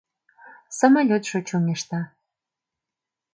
Самолётшо чоҥешта.